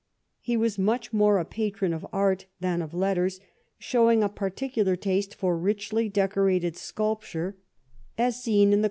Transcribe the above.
He was much more a patron of art than of letters, showing a particu lar taste for richly decorated sculpture, as seen in the 72 EDWARD I CHAP.